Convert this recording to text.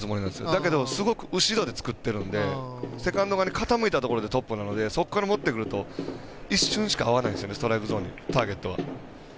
だけどすごく後ろで作ってるのでセカンド側に傾いたところでトップなのでそこから持ってくると一瞬しかストライクゾーンにターゲットは。